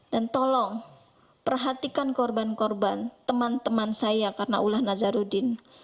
dan tolong perhatikan korban korban teman teman saya karena ulah nazaruddin